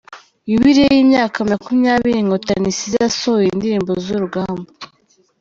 Yubile y’imyaka makumyabiri Inkotanyi isize asohoye indirimbo zurugamba